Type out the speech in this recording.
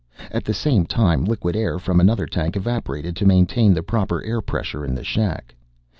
At the same time, liquid air from another tank evaporated to maintain the proper air pressure in the shack.